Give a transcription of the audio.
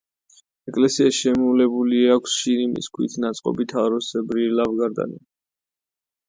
ეკლესიას შემოვლებული აქვს შირიმის ქვით ნაწყობი თაროსებრი ლავგარდანი.